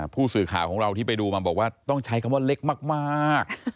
ผู้สื่อข่าวของเราที่ไปดูมาบอกว่าต้องใช้คำว่าเล็กมาก